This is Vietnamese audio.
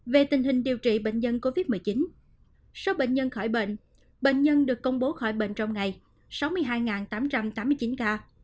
về tình hình điều trị bệnh nhân covid một mươi chín số bệnh nhân khỏi bệnh bệnh nhân được công bố khỏi bệnh trong ngày sáu mươi hai tám trăm tám mươi chín ca